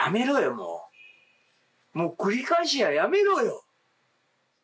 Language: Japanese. もう繰り返しはやめろよ。